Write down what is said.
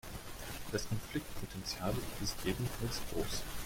Das Konfliktpotenzial ist jedenfalls groß.